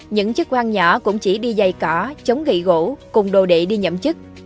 những chức quang nhỏ cũng chỉ đi dày cỏ chống gậy gỗ cùng đồ đệ đi nhậm chức